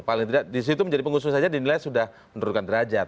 paling tidak disitu menjadi pengusung saja dinilai sudah menurunkan derajat